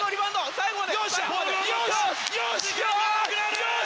最後まで！